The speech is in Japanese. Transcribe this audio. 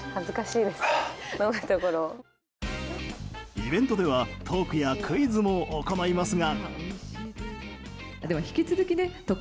イベントではトークやクイズも行いますが。